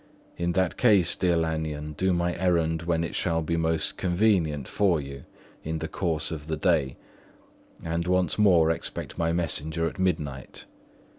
In that case, dear Lanyon, do my errand when it shall be most convenient for you in the course of the day; and once more expect my messenger at midnight.